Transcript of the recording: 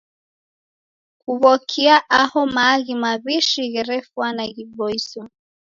Kuw'okia aho maaghi maw'ishi gherefwana ghiboiso.